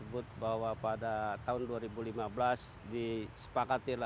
kemudian saya ingin menanyakan tentang kesehatan kesehatan kesehatan yang akan diperoleh